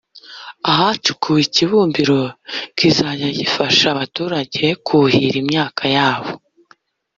ahacukuwe ikibumbiro kizajya gifasha abaturage kuhira imyaka yabo